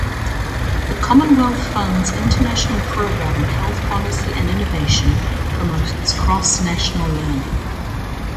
The Commonwealth Fund's International Program in Health Policy and Innovation promotes cross-national learning.